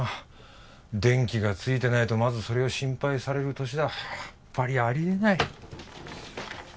電気がついてないとまずそれを心配される年だやっぱりありえない